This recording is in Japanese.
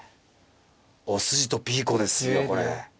お筋とピーコですよこれ。